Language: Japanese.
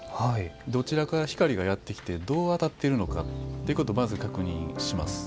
どちらから光がやってきてどう当たっているのかというのをまず、確認します。